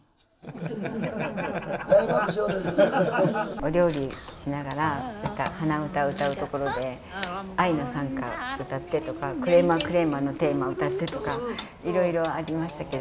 お料理しながら、なんか鼻歌を歌うところで、愛の賛歌歌ってとか、クレイマークレイマーのテーマ歌ってとか、いろいろありましたけど。